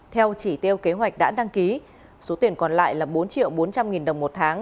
theo chỉ tiêu kế hoạch đã đăng ký số tiền còn lại là bốn triệu bốn trăm linh nghìn đồng một tháng